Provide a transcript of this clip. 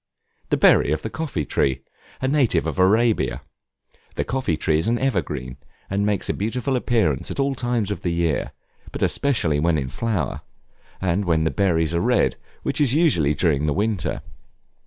The berry of the coffee tree, a native of Arabia. The coffee tree is an evergreen, and makes a beautiful appearance at all times of the year, but especially when in flower, and when the berries are red, which is usually during the winter.